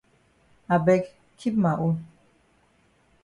I beg keep ma own.